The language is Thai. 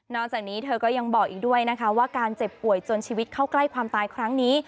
จากนี้เธอก็ยังบอกอีกด้วยนะคะว่าการเจ็บป่วยจนชีวิตเข้าใกล้ความตายครั้งนี้